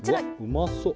うまそう